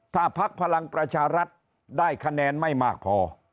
ถ้าพักพลังประชารัฐได้คะแนนไม่มากพอ